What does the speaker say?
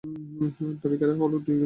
নাবিকেরা হল দুই জলদস্যু।